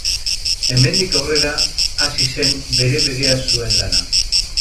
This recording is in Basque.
Hemendik aurrera hasi zen bere-berea zuen lana.